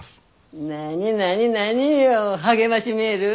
何何何よ励ましメール？